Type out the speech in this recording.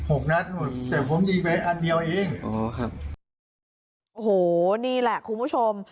โอ้โหนี่แหละคุณผู้ชม